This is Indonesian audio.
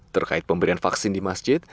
terkait pemberian vaksin di masjid